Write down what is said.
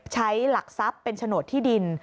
ใช้หลักทรัพย์เป็นฉโนทที่ดิน